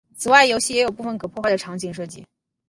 此外游戏也有部分可破坏的场景设计。